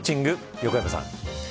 横山さん。